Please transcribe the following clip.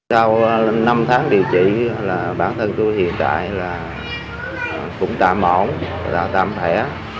trong năm tháng điều trị bản thân tôi hiện tại cũng tạm ổn tạm khỏe